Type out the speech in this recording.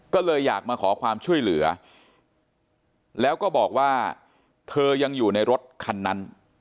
ก็เลยอยากมาขอความช่วยเหลือแล้วก็บอกว่าเธอยังอยู่ในรถคันนั้น